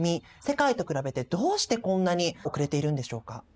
世界と比べてどうしてこんなに遅れているんでしょうか？